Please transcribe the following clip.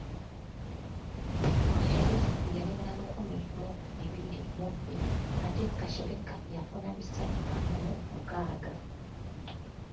Niwahereza yalina lukumi mu bibiri mu bbiri ate Kashereka yafuna bisatu ana mu mukaaga.